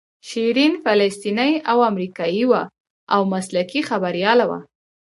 شیرین فلسطینۍ او امریکایۍ وه او مسلکي خبریاله وه.